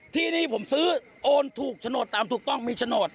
ที่นี่ผมซื้อโอนถูกโฉนดตามถูกต้องมีโฉนด